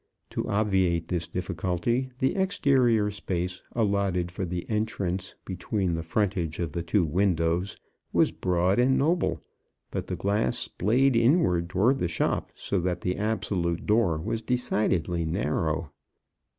To obviate this difficulty, the exterior space allotted for the entrance between the frontage of the two windows was broad and noble, but the glass splayed inwards towards the shop, so that the absolute door was decidedly narrow.